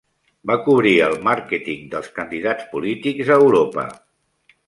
Va cobrir el màrqueting dels candidats polítics a Europa.